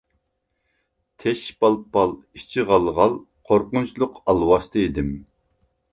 تېشى پال-پال، ئىچى غال-غال قورقۇنچلۇق ئالۋاستى ئىدىم.